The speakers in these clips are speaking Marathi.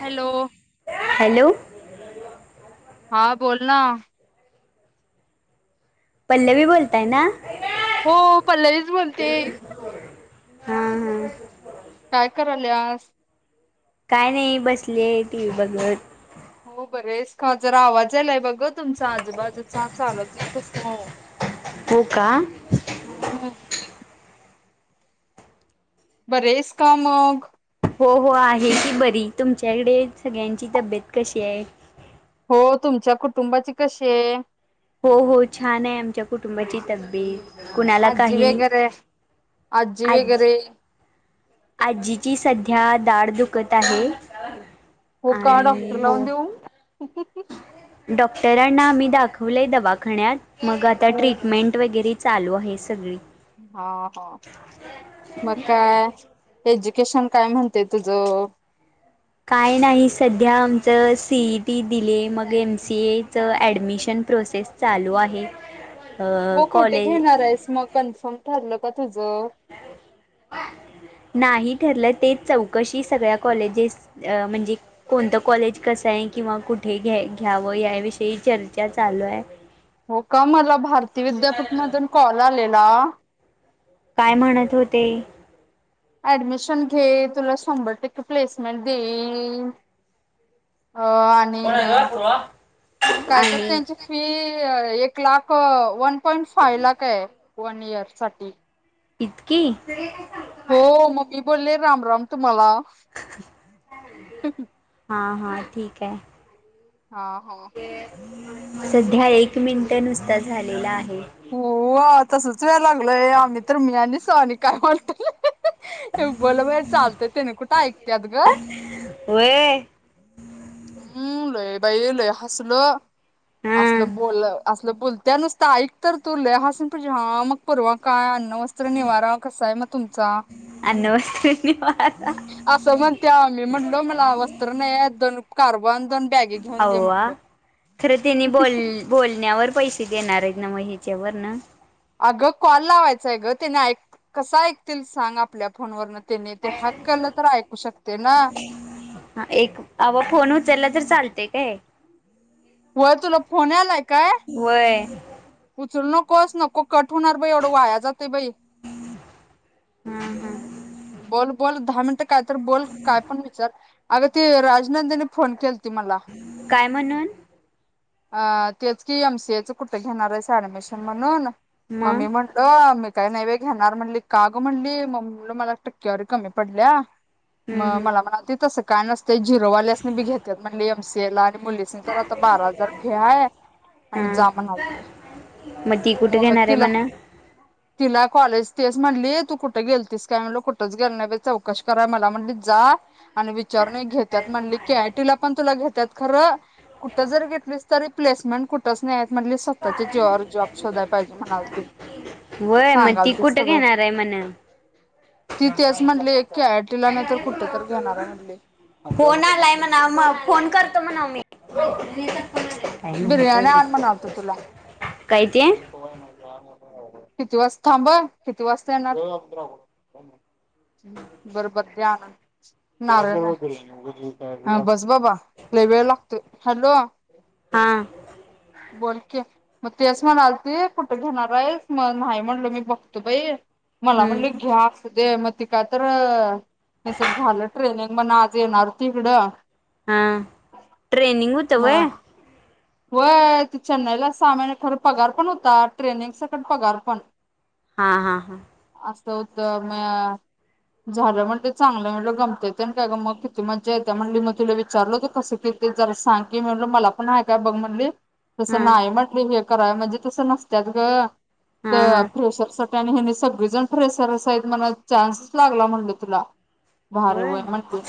हॅलो हॅलो हा बोल ना. पल्लवी बोलताय ना? हो पल्लवीच बोलते हम हम काय कराल्यास? काय नाही बसले टी व्ही बघत. हो बरी आहेस का जरा आवाज यायलाय बघ गं तुमचा आजूबाजूचा चालत नाही तसं. हो का? बरी आहेस का मग? हो हो आहे की बरी तुमच्याकडे सगळ्यांची तब्येत कशी आहे? हो तुमच्या कुटुंबाची कशी आहे? हो हो छान आहे आमच्या कुटुंबाची तब्यीेत कुणाला आजी काही वगैरे आजी आज वेगैरे आजीची सध्या दाढ दुखत आहे. हो का डॉक्टर आणि हो लावून देऊ? ह ह. डॉक्टरांना आम्ही दाखवलंय दवाखान्यात. मग आता हो ट्रीटमेंट वेगैरे चालू आहे सगळी. हा हा मग काय? एज्युकेशन काय म्हणतयं तुझं? काय नाही सध्या आमचं सी ई टी दिले मग एम सी एचं ऍडमिशन प्रोसेस चालू आहे. अ, हो कुठे कॉलेज घेणार आहेस मग कन्फर्म ठरलं का? तुझं. नाही ठरलं ते चौकशी सगळ्या कॉलेजेस अ म्हणजे कोणतं कॉलेज कस आहे किंवा कुठे घ्या घ्यावं याविषयी चर्चा चालू हाय. हो का मला भारती विद्यापीठ मधून कॉल आलेला. ना, काय म्हणत होते. ऍडमिशन घे तुला शंभर टक्के प्लेसमेंट देईन. अ आणि कायतर आणि त्यांची फी, ते एक lakh one points five lakh आहे. वन इयर साठी. इतकी! हो मग मी बोलले राम राम तुम्हाला. हा हा, ठीक हाय. हा हा, सध्या एक मिनिटं नुसता झालेला आहे. [unintelligible] [inaudible] या लागलोय आम्ही तर मी आणि श्रु त्या आणि काय म्हणतील. बोला बाई चालतय तेनी कुठ ऐकत्यात ग. व्हय हम्म, लय बाई लय हसलो. हा असलं बोल असलं बोलतीया नुसत ऐक तर तु लई हासून पडशील हा मग परवा काय आ अन्न, वस्त्र, निवारा कसा आहे मग तुमचा. अन्न वस्त्र निवारा असं म्हणत्या, मी म्हणलो मला वस्त्र नाही दोन [unintelligible] दे अव्वा म्हटलो खर तेनी बोल बोलण्यावर पैसे देणार आहेत, नाव हेच्या वर न अगं कॉल लावायचंय ग त्याने ऐक कस ऐकतील सांग आपल्या फोनवर एक अवा फोन उचलला तर चालत ते काय, हो तुला फोन आलाय काय? वय नकोस नको कट होणार बाई एवढं वाया जाते बाई. हम्म हम्म बोल बोल दहा मिनटं काय तर बोल काय पण, विचार अग त राजनंदिनी फोन केल ती मला काय म्हणून? अ तेच की एम सी एच कुठ घेणार आहेस ऍडमिशन म्हणून. म मग मी म्हणटलो काही नाही बई घेणार म्हणली कागं म्हणली, म म्हणलो मला टक्केवारी कमी पडल्या हम्म मग मला हम्म म्हणालती तसं काय नस ते झिरोवाल्यासनी बी घेत्यात म्हणली एम सी ए ला. मुलीसनी तर आता बारा हजार फी हाय, आणि जा हा म्हणालती. मग ती कुठे म घेणार आहे तिला म्हणा तिला कॉलेज तेस म्हणली, तू कुठे गेलतीस काय? म्हनलो कुठ कुठच गेलो नाही बई चौकश कराय मला म्हणली जा आणि विचारून घेत्यात म्हणली, के आय टी ला पण तुला घेत्या त्यातं खर कुठ जर घेतलीस तरी प्लेसमेंट कुठच नाहीएत. म्हणली स्वतःच्या जीवावर जॉब शोधाय पाहिजे म्हणाल ती, वय मग सांगाल ती कुठे सगळं. घेणार आहे म्हणा ती तेच म्हणली के आय फोन आलाय म्हणा म फोन करतो म्हणाव मी. ठी कत बिर्यानी आन मनालतो तुला. काय ते बिर्याणी कवा येणार बाळा किती वाज थांब किती वाजता येणार? बर बरते आण नारळ बस बाबा लय वेळ लागतोय. हॅलो हा. बोल मग तेस म्हणालती कुठे घेणार आहेस, मग नाही म्हणल मी बघतो बाई. मला‌ हम्म म्हटली घ्या, असूदे म ते काय तर झालं ट्रेनिंग. ती पण आज येणार होती हिकडं. हा ट्रेनिंग मग होतवय! व्हय चेन्नईला सहामाहीने, खर पगार पण होता ट्रेनिंगसकट पगार पण. हा हा हा. अस होत म झालं म्हणली चांगलं मी म्हलं गमत तेन काय ग, मग किती मज्जा येते म्हणली. म तिला विचारलं होत कसं किती जरा सांग की, मी म्हलं मला पण हाय आहे का बग म्हणली. हा तसं नाही म्हटली हे कराव म्हणजे तसं नसत्यात ग. हा तर हा फ्रेशरसाठी आणि हेनि सगळेजण फ्रेशरच हायत म्हण, चान्सच लागला म्हटलं तुला. भारी होय म्हटली.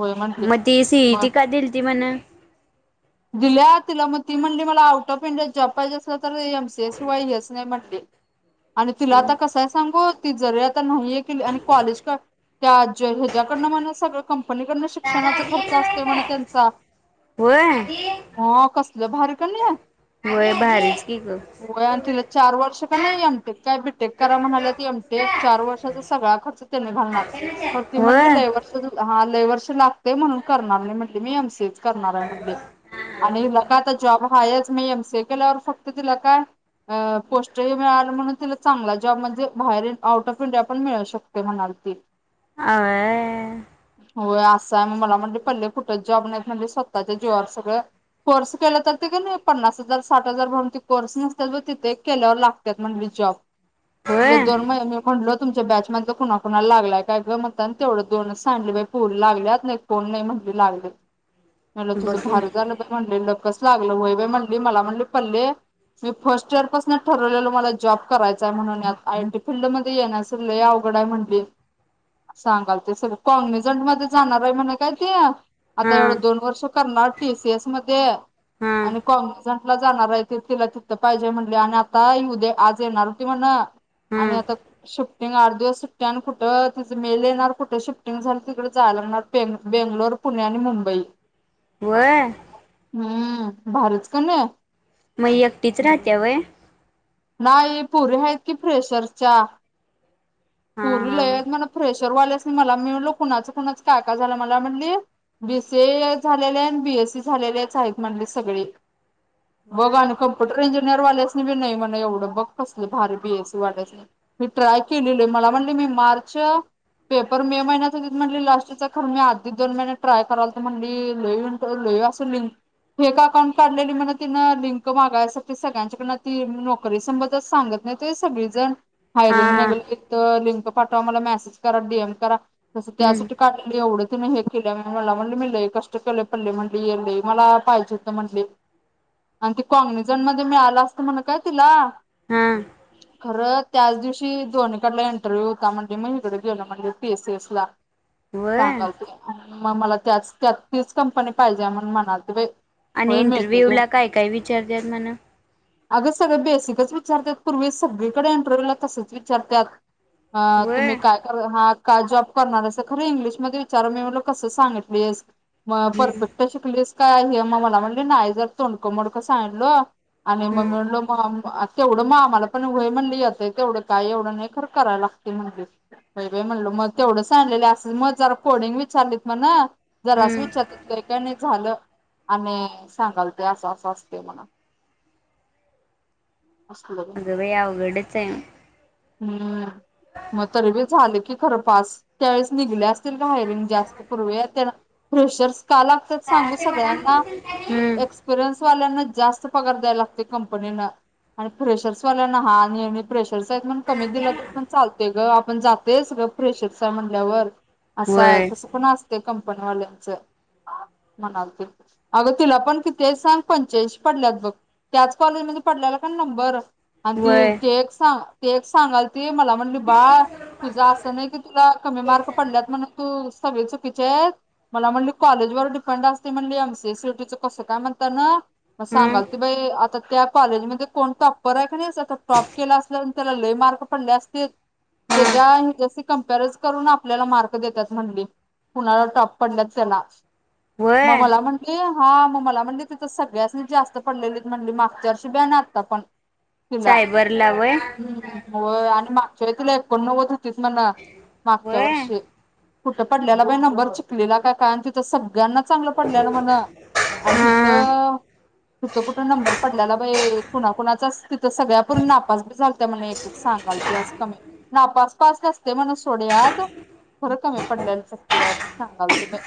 व्हय म्हटली मग ती सीईटी मग का दिली ती म्हण दिल्या तिला मग ती म्हणली मला आउट ऑफ इंडिया जॉब पाहिजे अस तर एमसीएस शिवाय हेच नाही म्हटली. आणि तुला आता कसय सांगू. ती जरी पटकन होईल आणि कॉलेज का त्या अजय हेज्याकडनं सर्व कम्प्लीट पण तीकडण दादा शिक्षणाचा आजी खर्च येणार आहे असतोय म्हनण काय? या व्हय आजी हो कसलं भारी क नाही, व्हय भारीच की ग होय तिला चार वर्ष क नाही एमटेक काय बीटेक करा म्हणाले एमटेक चार वर्षाचा सगळा खर्च त्याने घालणार अर्चनाच्या त म्हणली व्हय लय वर्ष हा लय पैसे लागते म्हणून करणार नाही म्हटलं, मी एमसीए च. करणार आहे म्हटली. आणि नको आता जॉब मी एम सी ए केल्यावर फक्त तिला काय पोस्टही मिळाली म्हणून तिला चांगला जॉब म्हणजे बाहेर, आउट ऑफ इंडिया पण मिळू शकतोय म्हणाल ती. [unintelligible] होय असं आहे, मला म्हणली पल्ले कुठंच जॉब नाहीत म्हणजे स्वतःच्या जीवावर सगळं, कोर्स केला तर ते का नाही पन्नास हजार साठ हजार भरून ते कोर्स नसत्यात बघ तिथे केल्यावर लागतात म्हणली जॉब. ते दोन व्हय महिने मी म्हटलं होत. तुमच्या बॅच मधल कुणाकुणा लागलाय काय ग म्हणता तेवढं दोन सांगितल्या बघ पोर लागल्यात नाही कोण नाही म्हटली लागले. मला बघ तुझं की भारत म्हणली लकच लागलं होई म्हणली मला म्हणली पल्ले मी फर्स्ट इयर पासून ठरवलेलो मला जॉब करायचाय म्हणून आय एनटी फीलल्ड मध्ये येण्यास लय अवघड आहे म्हणली सांगाल ते सगळ कॉनिजंट मध्ये जाणार आहे म्हणे काय ती. आता हा एवढं दोन वर्ष करणार टी सी एस मध्ये, हा आणि कॉमर्सचा, जाणार आहे ती तिला तिथं पाहिजे म्हणली आणि आता उद्या, आज येणार होती म्हण. हा आणि आता आठ दिवस सुट्टया आणि कुठं तिंच मेल येणार कुठ शिफ्टिंग झालं तिकड जायला लागणार बेग बेंगलोर, पुणे आणि मुंबईकर. व्हय, हू भारीच क नि. एकटीच राहत्यां वय? नाही पुरी आहेत की फ्रेशरच्या, हा पुरी हा लय आहेत म्हण फ्रेश चरवाल्यासनी मला मी म्हणलो कुणाच कुणाच काय काय झालं मला म्हणली बीसीए झालेले न बीएसी झालेलेच आहेत म्हटली सगळी. बग व्हय आणी कम्प्युटर इंजि निर वाल्यासनी बी नई म्हण. एवढं बघ कसलं भारी बीएसी वाटाय मी ट्राय केलेल मला म्हणली मी मार्च पेपर मे महिन्यात होतीत म्हटली लास्टच खर मी आधी दोन महिने ट्राय कराल तर म्हनली लई इंट लई असं लिंक फेक अकाउंट काढलेली म्हण तिन लिंक मागायासाठी सगळ्यांच्याकड ती, तरी संबंदच सांगत नाहीत होय सगळी जण. हा फायलिंग हा लागलं इथं लिंक प पाठवा मला. मेसेज करा. डी एम करा. तसं हम्म त्यासाठी काढलंय एवढं. तीन हे केलीया म्हण, मला म्हणली मि लय कष्ट केल्यात पल्ले म्हटली, एम बी ए मला पाहिजे होत म्हटली आणि ती कोंगणजण मध्ये मिळाला असतं म्हण काय. तिला हु. खरं त्याच दिवशी दोनीकडला इंटरव्ह्यू होता. म्हणजे मी इकड गेलो म्हणजे टी सी येस ला. व्हय सांगालतीस तू. म-मला त्याच, त्यात तीच कंपनी पाहिजे हाय म्हणून म्हणालती बाई. आणि होय मिळते इंटरव्ह्यू ला काय काय विचारत्यात म्हण? अगस सगळ बेसिकच विचारत्यात पुर्वी सगळीकड एंटरव्ह्यूला तसच विचारत्यात. अ व्हय तुम्ही काय कर हात? काय जॉब करणार हाईसा? खरं इंग्लिशमध्ये विचारा मी मनल कसं सांगितलीस? म हम्म परफेक्ट शिकलीस. काय हे म मला म्हणली नाई जर तोंडकं मोडकं सांडलं आणि म मी हम्म म्हणलो तेवढं मग आम्हाला पण व्हय म्हणली येतय. तेवढं काय एवढं नाही खरं करायला लागते म्हणली. बई बई म्हणल मग तेवढं सांगलेलं असं म जरा कोडिंग विचारलीत मण जरास हम्म विचारत्यात लई काय नाही झालं. आणि सांगाल त्या असं-असं असते म्हण. अग बाई अवघडच हाय. हम्म मग तरी बी झाल की खरं पास. त्यावेेळेस निघल्या असतील हायरिंग जास्त पूर्वी आ त्या फ्रेशर्स का लागतात सांगू सगळ्यांना? हम्म एक्सपिरियन्स. [unintelligible] वाल्यांना जास्त पगार द्यायला लागतोय कंप पनीनं आणि प्रेशर्स वाल्यांना हाय आणि मी प्रेश शर्स हाईत म्हणून कमी दिला तरी पण चालतय गं आ पण जातयंच ग प्रेशरच हाय म्हणल्यावर. असं हाय व्हय तसं पण असतय कंप् पण वाल्यांच मनालती. अगं तिला पण किती हाय सांग पंच्याऐंशी पडल्यात बघ त्याच कॉलेजमध्ये पडल्याला पण नंबर. आणि ती व्हय एक, ती एक सा तेच सांगालती. ती मला म्हणली बाळ तुझं असं नाही की तुला कमी मार्क पडल्यात म्हणून तू सगळी चुकीचेत मला म्हणली, कॉलेजवर डिपेंड असतयं म्हणली, एम सीए स यूटी च कसं काय म्हणता न म हम्म सांगाल ती बाई आता त्या कॉलेजमध्ये कोण टॉप्पर आहे का नाही [unintelligible] टॉप केला असल्या त्याला लय मार्क पडले असतील हम्म त्याच्या कॉम्परच करून आपल्याला मार्क देतात म्हणली कुणाला टॉप पडल्यात त्यांना म व्हय मला म्हंटली हा म मला म्हणली तिथं सगळ्यास्नि जास्त पडलेलीत म्हणली मार्क [unintelligible] आता पण तिला सायबरला व्हय हूं व्हय आणि मा तरी तुला एकोणंनव्वद तेच ना मा मागच्या व्हय वर्षी कुठं पडल्याला बाई नंबर चिकलीला का काय अन तिथं सगळ्यांना चांगल पडल्याल म्हनं आणि हीत हा हितं कुठ नंबर व्हय कुणा कुणाचाच तिथं सगळ्या पुरी नापास बी झालत्या म्हण एक एक सांगालत्या अस का मी नापास [inaudible] हसतंय म्हणून सोडयात थोड कमी पडल्याल टक्के वारी सांगालत बाई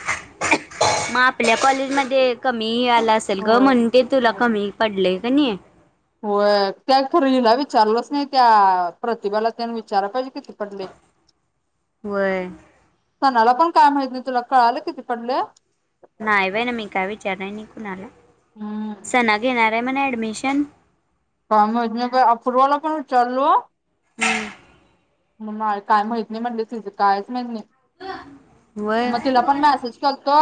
म आपल्या कॉलेजमध्ये कमी आला असेल ग होय म्हणुन ते तुला कमी पडले. हाय नी व्हय त्या खरं हिला विचारलंच नाही त्या प्रतिभाला त्यान विचारा पाहिजे किती पडलेत व्हय [inaudible] कोणाला? पण काय माहित नाय तुला कळालं किती पडले? नाय बाई न मी काय विचारल नाय नि कुणाला हम्म. सना गीनात ते म्हणे ॲडमिशन फॉर्म [unintelligible] अपूर्वाला पण विचारलो. म मा काय माहत नाही म्हणली तिज कायच माहित नई व्हय म तुला पण मॅसेज कलतो.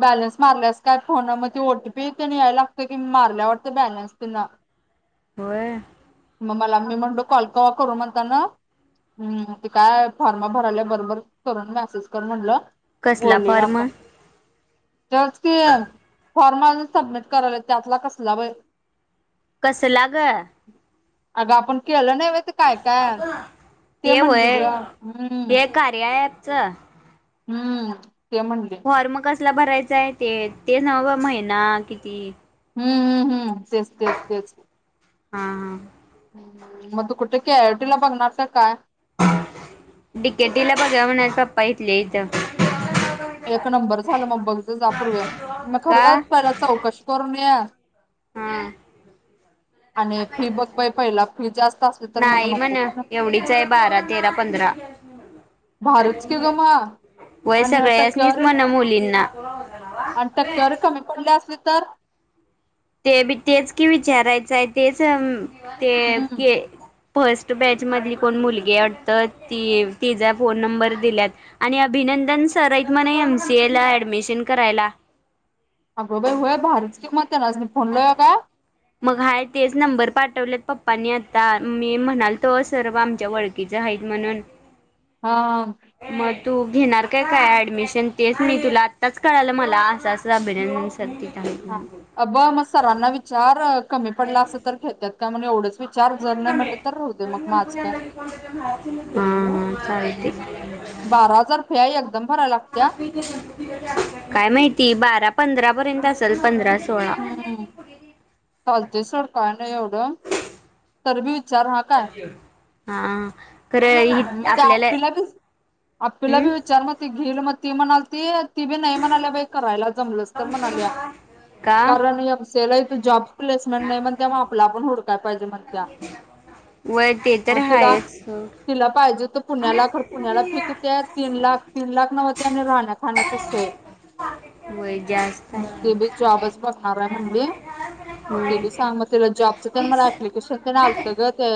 बॅलन्स मारल्यास काय फोना मधी ओटी तीनं यायला लागत की मारलाय वाटतं बॅलन्स तिनं होय. म मला मी म्हणलो कॉल कवा करू म्ह अन हूं ते काय फॉर्म भरल्या बरोबर करण मॅसेज कर म्हणलं कसला फॉर्म त्योच की फॉर्म आजून सबमिट कराला त्यातला कसला बय कसला ग अग आपण केलं नाय व्हय ते काय काय ते म्हणली व्हय ग हम्म ते कार्या ॲप चा हूं ते म्हणले कसला भरायचा आहे? ते ते नव्ह महिना किती? ते हम्म हम्म हम् तेच तेच तेच.. हा हा मग तु कुठे? केआयटीला बघणार आहेस का? काय? [unintelligible] डिकेटीला बघूया म्हणाल्यात [unintelligible] पप्पा इथले इथं एक नंबर झाला मग बघच जा तु पूर्वी मग का खरंच परत चौकशी करून ये. हा आणि फी बघ बाई पहिला फी जास्त असली तर मग नाही नको म्हण पण. एवढीच आहे भारीच की ग मग [unintelligible] व्हय आणि सगळ्यानीच टक्क्यावर म्हणा मुली [unintelligible] आणि टक्केवारी कमी पडली असली तर ते बी तेच कि विचारायचंय तेच अ ते के हम्म फस्ट बॅच मधली को मुलगी वाटत तिचा फोन नंबर दिल्या आणि अभिनंदन सर आहेत म्हणा एमसीए ला ऍडमिशन करायला अग बाई होय भारीच की मग तेनासनी फोन लावूया काय? मग हाय तेच नंबर पाठवलेत. पप्पनी आता मी म्हणाल, तो सर आमच्या ओळखीचा आहेत म्हणून. हा हा मग तू घेणार का? काय ऍडमिशन तेच म तुला आत्ताच कळालं मला असं असं अभिनंदन सर. तिथं आहेत हा म्हणून. अब मग सर्वांना विचार कमी पडला असल तर घेत्यात त्यामध्य एवढं [unintelligible] हा काय नाही हा चालतय बारा हजार फी आहे एकदम भरायला लागत्या माहिती बारा, पंधरा, पर्यंत पंधराच हम्म चालतय सोड काय नाही एवढ? तरी बी विचार हा काय? हा खरं हि मग ते आपल्याला आपी ला हम्म. बी विचार मग ते घेल मग ते म्हणाल ती ती बी नाही म्हणाल्या बाई कराय जमलंच तर म्हणाल्या का? कारण एक सेल जॉब प्लेसमेट नाही म्हणत्या म आपलं आपण हुडकु व्हय ते तर मग तिला हायच तिला पाहिजे पुण्याला खरं पुण्याला फी किती हाय? तीन लाख, तीन लाख नव्ह ते आणि राहण्या खाण्याचा सोय वय जास्त मग आहे. ते बी हम्म. जॉबच बघणार आहे म्हनली मग ते बी सांग म ती ला जॉब [unintelligible] मला अपप्लिकेशन तेन आलतं ग ते.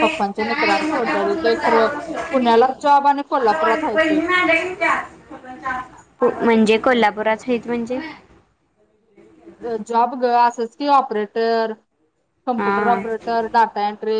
पप्पांच्या मित्रास जायचंय खरं पुण्याला जॉब आणि कोल्हापुरात आता आहेत बाई म्हणजे कोल्हापुरात हाईत म्हणजे जॉब ग असंच की ऑपरेटर कमप्युटर हा. Operator, data entry